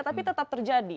tapi tetap terjadi